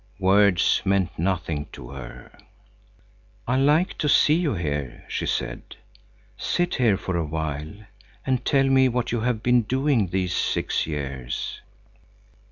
Words meant nothing to her. "I like to see you here," she said. "Sit here for a while, and tell me what you have been doing these six years!"